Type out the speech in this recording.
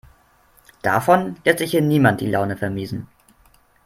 Davon lässt sich hier niemand die Laune vermiesen.